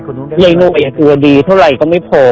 เท่าไรก็ไม่พอ